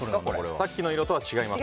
さっきの色とは違います。